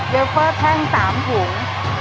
เลเฟอร์แท่ง๓ถุง